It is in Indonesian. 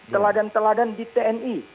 teladan teladan di tni